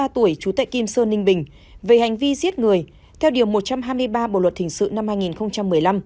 bốn mươi ba tuổi chú tệ kim sơn ninh bình về hành vi giết người theo điều một trăm hai mươi ba bộ luật thình sự năm hai nghìn một mươi năm